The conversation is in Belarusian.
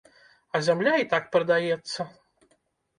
А зямля і так прадаецца.